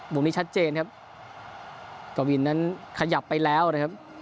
มุมนี้ชัดเจนครับกวินนั้นขยับไปแล้วนะครับ